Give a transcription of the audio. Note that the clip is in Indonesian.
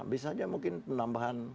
bisa aja mungkin penambahan